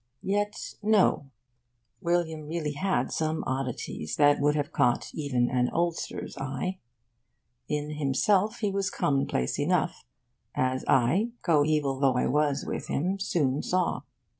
Yet, no: William really had some oddities that would have caught even an oldster's eye. In himself he was commonplace enough (as I, coeval though I was with him, soon saw).